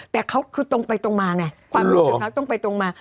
แต่เขาคือตรงไปตรงมาไงความรู้สึกเขาตรงไปตรงมา